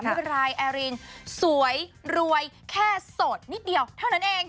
รายแอรินสวยรวยแค่โสดนิดเดียวเท่านั้นเอง